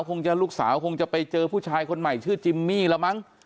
ลูกสาวคงจะไปเจอผู้ชายคนใหม่ชื่อจิมมี่แล้วมั้ง